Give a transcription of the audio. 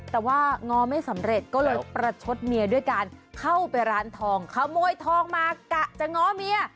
แต่ว่าง้อไม่สำเร็จก็เลยประชดเมียด้วยการเข้าไปร้านทองขโมยทองมากะจะง้อเมีย